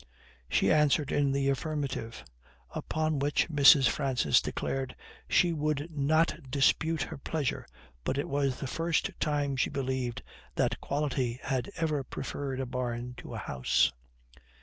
She answered in the affirmative; upon which Mrs. Francis declared she would not dispute her pleasure, but it was the first time she believed that quality had ever preferred a barn to a house.